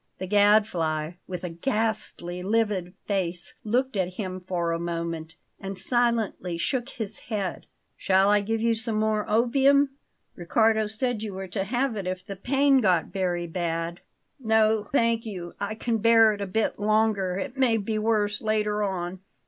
The Gadfly, with a ghastly, livid face, looked at him for a moment, and silently shook his head. "Shall I give you some more opium? Riccardo said you were to have it if the pain got very bad." "No, thank you; I can bear it a bit longer. It may be worse later on."